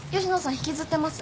引きずってます。